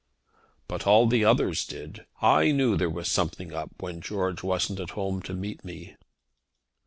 "But all the others did. I knew there was something up when George wasn't at home to meet me."